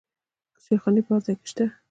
چایخانې په هر ځای کې شته.